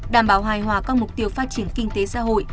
đảm bảo hài hòa các mục tiêu phát triển kinh tế xã hội